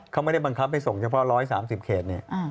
เขาไม่ได้บังคับจะส่งเฉพาะร้อยสามสิบเขต